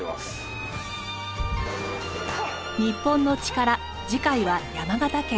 『日本のチカラ』次回は山形県。